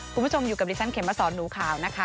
คุณผู้ชมอยู่กับดิฉันเข็มมาสอนหนูขาวนะคะ